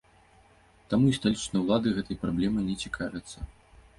Таму і сталічныя ўлады гэтай праблемай не цікавяцца.